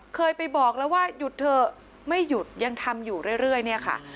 เคยไปบอกแล้วว่าหยุดเถอะไม่หยุดยังทำอยู่เรื่อยเนี่ยค่ะ